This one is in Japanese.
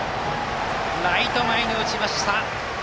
ライト前に落ちました。